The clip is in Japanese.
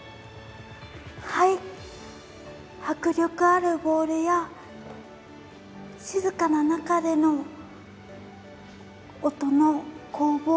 迫力あるボールや静かな中での音の攻防。